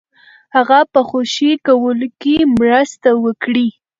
هغه په خوشي کولو کې مرسته وکړي.